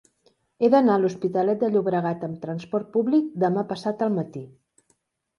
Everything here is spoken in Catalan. He d'anar a l'Hospitalet de Llobregat amb trasport públic demà passat al matí.